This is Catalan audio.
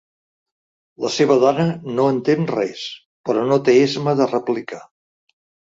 La seva dona no entén res, però no té esma de replicar.